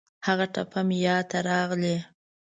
هغه ټپه مې یاد ته راغلې.